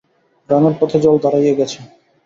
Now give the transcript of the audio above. গ্রামের পথে জল দাঁড়াইয়া গেছে।